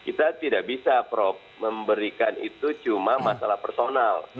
kita tidak bisa prof memberikan itu cuma masalah personal